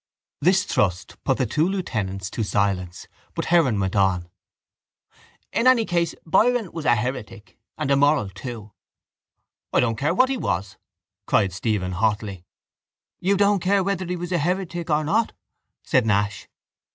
This thrust put the two lieutenants to silence but Heron went on: —In any case Byron was a heretic and immoral too. —I don't care what he was, cried Stephen hotly. —You don't care whether he was a heretic or not? said Nash.